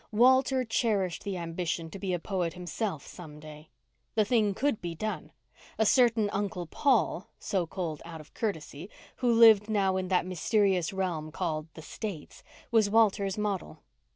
Walter cherished the ambition to be a poet himself some day. The thing could be done. A certain Uncle Paul—so called out of courtesy—who lived now in that mysterious realm called "the States," was Walter's model.